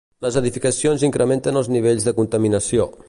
Les edificacions incrementen els nivells de contaminació.